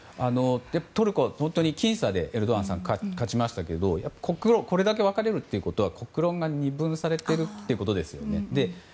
トルコは本当に僅差でエルドアンさんが勝ちましたがこれだけ分かれるということは国論が二分されているということですよね。